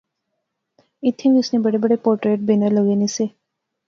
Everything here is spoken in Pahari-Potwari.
ایتھیں وی اس نے بڑے بڑے پورٹریٹ بینر لغے نے سے